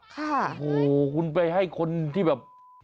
โอ้โหคุณไปให้คนที่แบบ